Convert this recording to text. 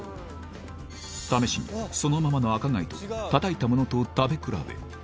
試しにそのままの赤貝と叩いたものとを食べ比べ